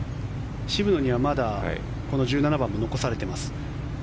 渋野にはまだこの１７番も残されています。